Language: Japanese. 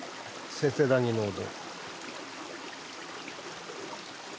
せせらぎの音。